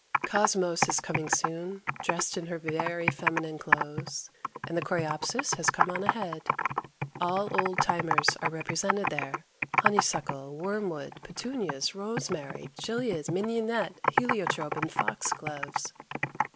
Cosmos is coming soon, dressed in her very feminine clothes, and the coreopsis has come on ahead. All old timers are represented there, honeysuckle, wormwood, petunias, rosemary, gilias, mignonette, heliotrope and foxgloves.